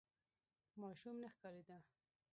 ماشوم نه ښکارېده.